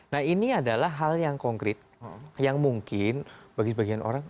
nah ini adalah hal yang konkret yang mungkin bagi sebagian orang